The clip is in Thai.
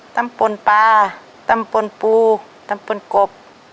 ตำป่นปลาตำป่นปูตำป่นกบ